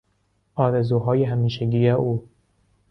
آرزوهای همیشگی او